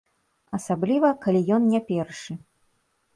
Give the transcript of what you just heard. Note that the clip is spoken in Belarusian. Асабліва, калі ён не першы.